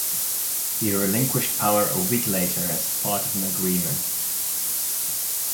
He relinquished power a week later as part of an agreement.